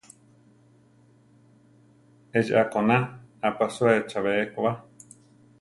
Échi a-koná aʼpasúe chabé ko ba.